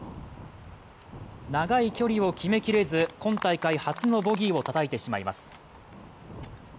長い距離を決めきれず今大会初のボギーをたたいてしまいます。